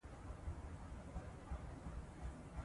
ځنګلونه د چاپېریال توازن ساتي